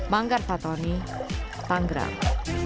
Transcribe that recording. manggar fatoni panggrang